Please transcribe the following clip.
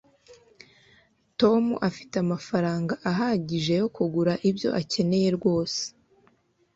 tom afite amafaranga ahagije yo kugura ibyo akeneye rwose